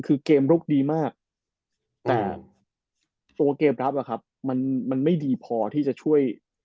คือเกมลุกดีมากแต่ตัวเกมรับอะครับมันไม่ดีพอที่จะช่วย